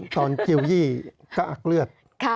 ตอนเกียวยี่กะอักเลือด